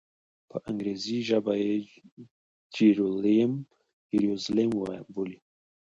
په انګریزي ژبه یې جیروزلېم بولي.